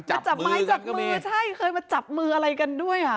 จับมือกันก็มีจับไม้จับมือใช่เคยมาจับมืออะไรกันด้วย